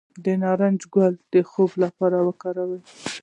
د نارنج ګل د خوب لپاره وکاروئ